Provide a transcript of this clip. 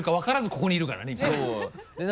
ここにいるからね今ね。